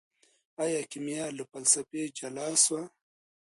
ايا کيميا له فلسفې جلا سوه؟